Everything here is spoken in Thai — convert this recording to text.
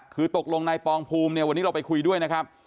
คือตกลงนายปองภูมิเนี่ยวันนี้เราไปคุยด้วยนะครับ